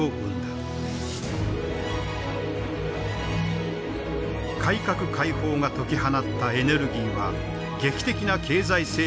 改革開放が解き放ったエネルギーは劇的な経済成長を実現。